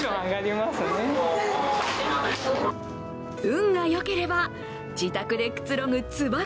運が良ければ自宅でくつろぐつば